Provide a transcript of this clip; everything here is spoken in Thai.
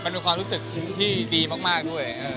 มันเป็นความรู้สึกที่ดีมากด้วย